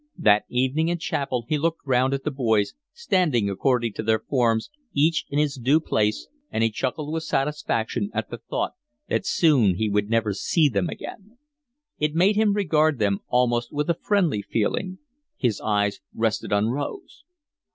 That evening in chapel he looked round at the boys, standing according to their forms, each in his due place, and he chuckled with satisfaction at the thought that soon he would never see them again. It made him regard them almost with a friendly feeling. His eyes rested on Rose.